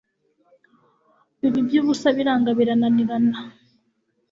biba iby'ubusa biranga, birananirana